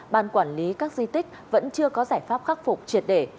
ban quản lý các di tích vẫn chưa có giải pháp khắc phục triệt để